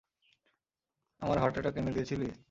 আমার heart attack এনে দিয়েছিলি।